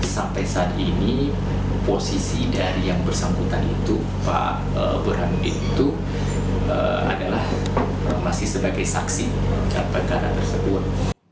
sampai saat ini posisi dari yang bersangkutan itu pak burhanuddin itu adalah masih sebagai saksi dalam perkara tersebut